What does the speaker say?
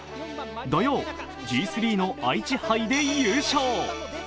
土曜、Ｇ３の愛知杯で優勝。